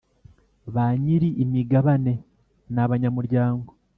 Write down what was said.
ba nyiri imigabane n abanyamuryango